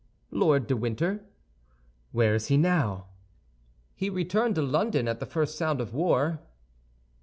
"Lord de Winter." "Where is he now?" "He returned to London at the first sound of war."